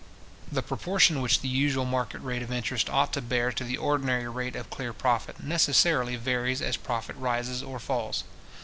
The proportion which the usual market rate of interest ought to bear to the ordinary rate of clear profit, necessarily varies as profit rises or falls.